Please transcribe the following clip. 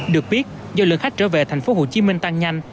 được biết do lượng khách trở về tp hcm tăng nhanh